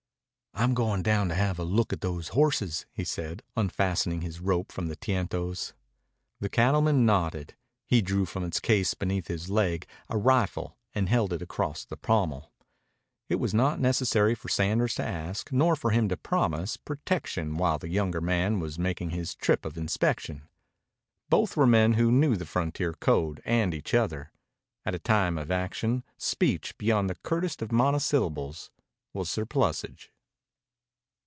"I'm going down to have a look at those horses," he said, unfastening his rope from the tientos. The cattleman nodded. He drew from its case beneath his leg a rifle and held it across the pommel. It was not necessary for Sanders to ask, nor for him to promise, protection while the younger man was making his trip of inspection. Both were men who knew the frontier code and each other. At a time of action speech, beyond the curtest of monosyllables, was surplusage.